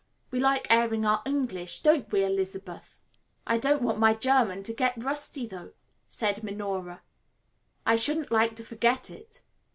"We like airing our English don't we, Elizabeth?" "I don't want my German to get rusty though," said Minora; "I shouldn't like to forget it."